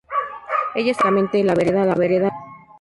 En ella se encuentran únicamente la Vereda La Palma.